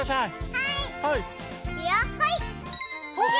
はい！